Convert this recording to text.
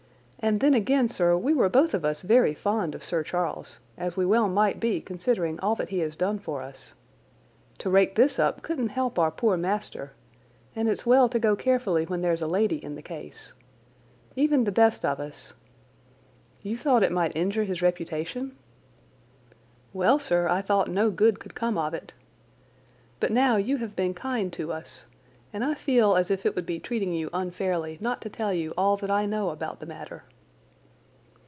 And then again, sir, we were both of us very fond of Sir Charles, as we well might be considering all that he has done for us. To rake this up couldn't help our poor master, and it's well to go carefully when there's a lady in the case. Even the best of us—" "You thought it might injure his reputation?" "Well, sir, I thought no good could come of it. But now you have been kind to us, and I feel as if it would be treating you unfairly not to tell you all that I know about the matter."